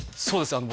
そうです